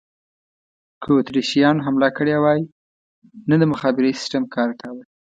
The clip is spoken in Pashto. که اتریشیانو حمله کړې وای، نه د مخابرې سیسټم کار کاوه.